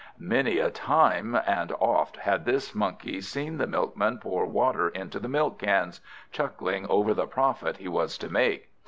Many a time and oft had this Monkey seen the Milkman pour water into the milk cans, chuckling over the profit he was to make.